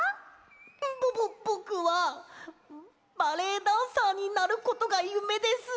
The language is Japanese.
ぼぼぼくはバレエダンサーになることがゆめです！